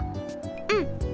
うん！